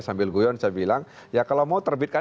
sambil guyon saya bilang ya kalau mau terbitkan